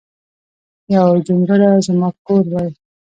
یو جونګړه ځما کور وای